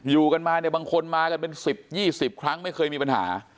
อยู่กันมาเนี่ยบางคนมากันเป็น๑๐๒๐ครั้งไม่เคยมีปัญหา